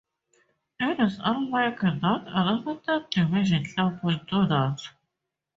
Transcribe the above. It is unlikely that another third division club will do that.